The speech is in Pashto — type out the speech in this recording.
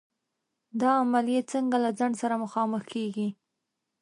دا عملیې څنګه له خنډ سره مخامخ کېږي؟